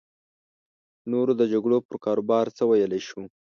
د نورو د جګړو پر کاروبار څه ویلی شو.